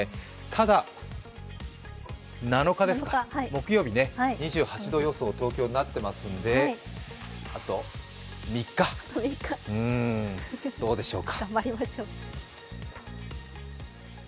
ただ７日木曜日、２７度予想に東京なっていますんであと３日、どうでしょうか。